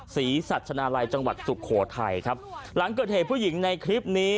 ศรีสัชนาลัยจังหวัดสุโขทัยครับหลังเกิดเหตุผู้หญิงในคลิปนี้